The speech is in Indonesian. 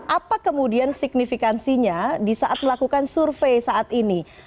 apa kemudian signifikansinya di saat melakukan survei saat ini